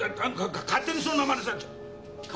勝手にそんなまねされちゃ。